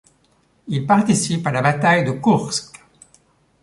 Il participe à la bataille de Koursk.